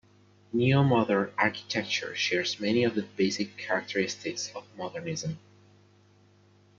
Neomodern architecture shares many of the basic characteristics of modernism.